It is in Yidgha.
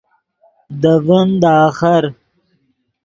دے ڤین دے آخر